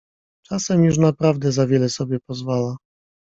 Czasem już naprawdę za wiele sobie pozwala.